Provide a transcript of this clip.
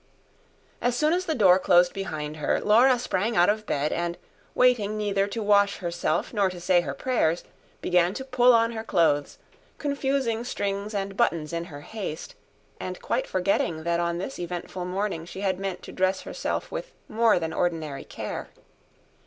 As soon as the door closed behind her, Laura sprang out of bed and, waiting neither to wash herself nor to say her prayers, began to pull on her clothes, confusing strings and buttons in her haste, and quite forgetting that on this eventful morning she had meant to dress herself with more than ordinary care.